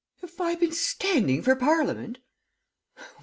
'Have I been standing for Parliament?'